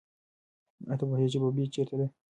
آیا ته پوهېږې چې ببۍ چېرته ده؟